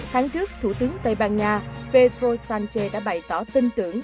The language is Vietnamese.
tháng trước thủ tướng tây ban nha pedro sánchez đã bày tỏ tin tưởng